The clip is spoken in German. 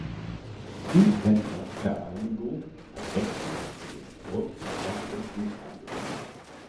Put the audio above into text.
Buchhändler-Vereinigung: "Adressbuch für den deutschsprachigen Buchhandel".